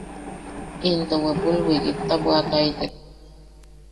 Into wepul wikitta bwa’ataitek.